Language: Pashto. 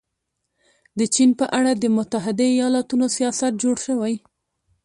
د چین په اړه د متحده ایالتونو سیاست جوړ شوی.